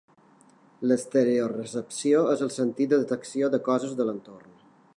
L'exterorecepció és el sentit de detecció de coses de l'entorn.